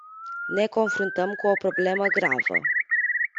Ne confruntăm cu o problemă gravă.